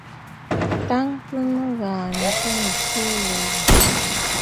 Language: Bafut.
Tɔ̀ʼɔ̀tə̀ nɨŋgɔ̀ɔ̀ nyâ tâ nɨ̀ tsuu lǒ wò.